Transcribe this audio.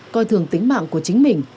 coi thường tính mạng của chính mình